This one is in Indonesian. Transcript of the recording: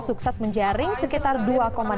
sukses menjaring sekitar dua delapan juta penonton